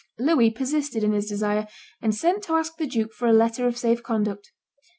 Louis persisted in his desire, and sent to ask the duke for a letter of safe conduct.